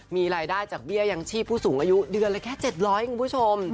มีรายได้จากเบี้ยยังชีพผู้สูงอายุเดือนละแค่๗๐๐คุณผู้ชม